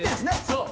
そう。